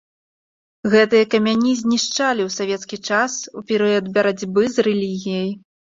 Гэтыя камяні знішчалі ў савецкі час у перыяд барацьбы з рэлігіяй.